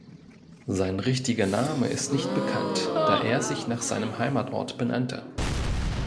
Sein richtiger Name ist nicht bekannt, da er sich nach seinem Heimatort benannte.